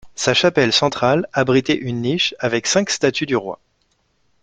Sa chapelle centrale abritait une niche avec cinq statues du roi.